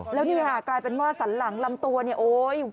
แล้วนี่ค่ะกลายเป็นว่าสันหลังลำตัวเนี่ยโอ๊ย